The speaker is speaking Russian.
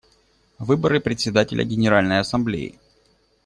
Выборы Председателя Генеральной Ассамблеи.